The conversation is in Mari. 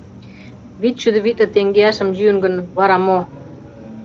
Вичшӱдӧ витле теҥгеашым йӱын гын, вара мо?